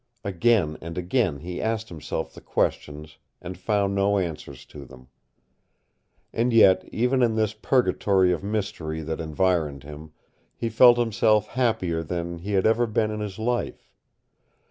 Again and again he asked himself the questions and found no answers to them. And yet, even in this purgatory of mystery that environed him, he felt himself happier than he had ever been in his life.